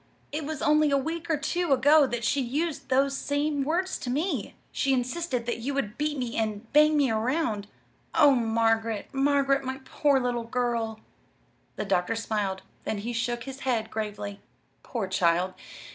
It was only a week or two ago that she used those same words to me. She insisted that you would beat me and and bang me 'round. Oh, Margaret, Margaret, my poor little girl!" The doctor smiled; then he shook his head gravely. "Poor child!